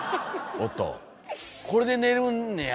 これで寝るねや！